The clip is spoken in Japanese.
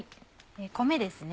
米ですね。